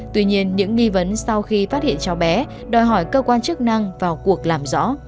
tuy nhiên những nghi vấn sau khi phát hiện cháu bé đòi hỏi cơ quan chức năng vào cuộc làm rõ